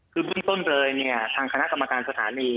คือบุญต้นเลยทางคณะกรรมการสถานี